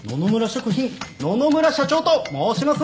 食品野々村社長と申します